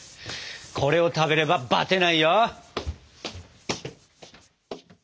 これを食べればバテないよ！